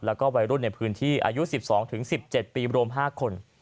แล้วก็วัยรุ่นในพื้นที่อายุ๑๒๑๗ปีรวม๕คน